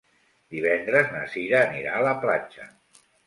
Divendres na Sira anirà a la platja.